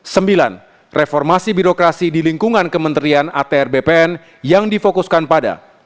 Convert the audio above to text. sembilan reformasi birokrasi di lingkungan kementerian atr bpn yang difokuskan pada